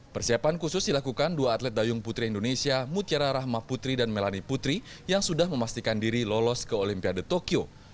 persiapan khusus dilakukan dua atlet dayung putri indonesia mutiara rahma putri dan melani putri yang sudah memastikan diri lolos ke olimpiade tokyo